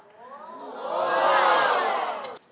โอ้โห